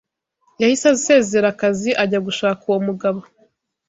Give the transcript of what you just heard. Yahise asezera akazi ajya gushaka uwo mugabo